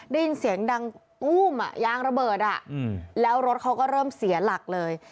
ได้ยินเสียงดังตู้มยางระเบิดแล้วรถเขาก็เริ่มเสียหลักเลย